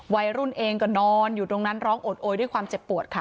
วัยรุ่นเองก็นอนอยู่ตรงนั้นร้องโอดโอยด้วยความเจ็บปวดค่ะ